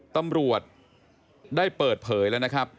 ตำรวจได้เปิดเผยแล้วนะครับ